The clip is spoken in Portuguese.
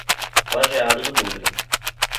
Lajeado do Bugre